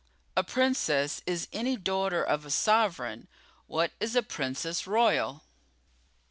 "A princess is any daughter of a sovereign. What is a princess royal?"